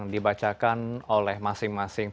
dibacakan oleh masing masing